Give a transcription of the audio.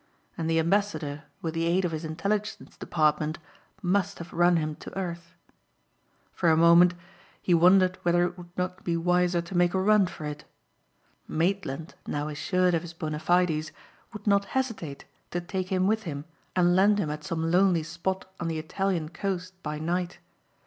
And the ambassador with the aid of his intelligence department must have run him to earth. For a moment he wondered whether it would not be wiser to make a run for it. Maitland now assured of his bona fides would not hesitate to take him with him and land him at some lonely spot on the Italian coast by night.